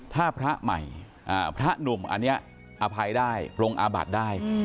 ถ้าพระใหม่พระหนุ่มอันนี้อภัยได้ปรงอาบัติได้